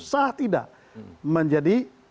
saat tidak menjadi